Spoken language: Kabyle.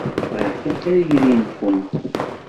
Bɣiɣ kan tayri-nwent.